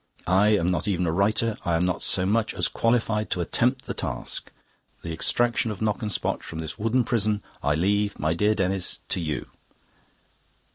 I am not even a writer, I am not so much as qualified to attempt the task. The extraction of Knockespotch from his wooden prison I leave, my dear Denis, to you."